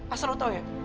asal lu tau ya